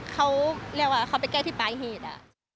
เขาเรียกว่าเขาไปแก้ที่ปลายเหตุ